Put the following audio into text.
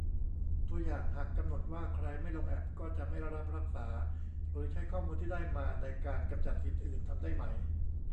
ตัวอย่าง : หากกำหนดว่าใครไม่ลงแอปก็จะไม่รับรักษา หรือใช้ข้อมูลที่ได้มาในการกำจัดสิทธิ์อื่น ทำได้ไหม ?